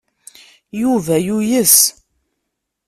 Yuba yuyes.